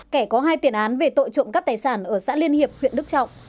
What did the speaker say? kẻ có hai tiền án về tội trộm cắp tài sản ở xã liên hiệp huyện đức trọng